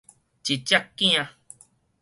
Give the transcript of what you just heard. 一隻囝